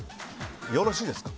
よろしいですか。